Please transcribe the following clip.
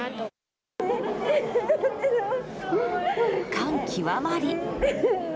感極まり。